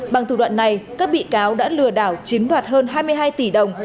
bằng thủ đoạn này các bị cáo đã lừa đảo chiếm đoạt hơn hai mươi hai tỷ đồng